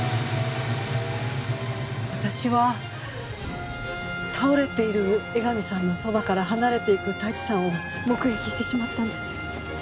私は倒れている江上さんのそばから離れていく太一さんを目撃してしまったんです。